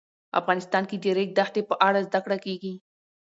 افغانستان کې د د ریګ دښتې په اړه زده کړه کېږي.